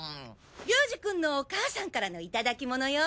龍二くんのお母さんからのいただきものよ。